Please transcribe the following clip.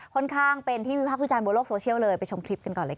ค่อนข้างเป็นที่วิพักษ์วิจารณบนโลกโซเชียลเลยไปชมคลิปกันก่อนเลยค่ะ